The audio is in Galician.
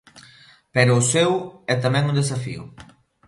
Pero o seu é tamén un desafío.